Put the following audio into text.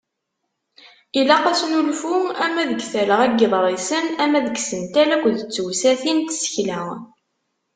Ilaq asnulfu ama deg talɣa n yiḍrisen ama deg yisental akked tewsatin n tsekla.